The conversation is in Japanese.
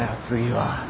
次は。